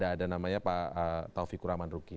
ada namanya pak taufik kuraman ruki